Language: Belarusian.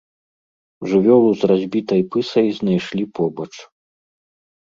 Жывёлу з разбітай пысай знайшлі побач.